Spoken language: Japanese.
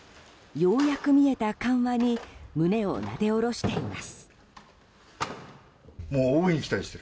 ようやく見えた緩和に胸をなで下ろしています。